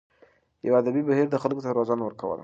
یوه ادبي بهیر خلکو ته روزنه ورکوله.